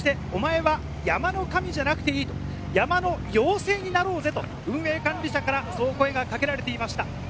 お前は山の神じゃなくていい、山の妖精になろうぜ！と管理車から声がかけられていました。